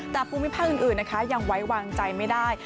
แต่ภูมิภาคอื่นนะคะยังไว้วางใจไม่ได้